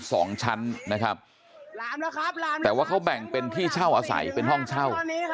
สองชั้นนะครับแต่ว่าเขาแบ่งเป็นที่เจ้าอาศัยเป็นห้องเช่า